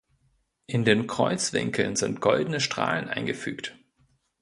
In den Kreuzwinkeln sind goldene Strahlen eingefügt.